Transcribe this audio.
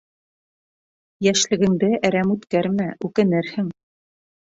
Йәшлегеңде әрәм үткәрмә, үкенерһең.